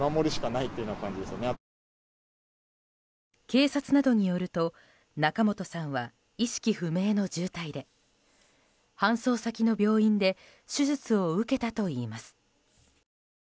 警察などによると仲本さんは意識不明の重体で搬送先の病院で手術を受けたといいます。